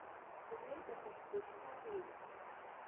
Днеит аха дышԥанеии?!